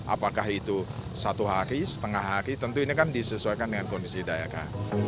apakah itu satu hari setengah hari tentu ini kan disesuaikan dengan kondisi daerah kan